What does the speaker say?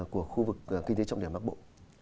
của khu vực kinh tế trọng đề mắc bộ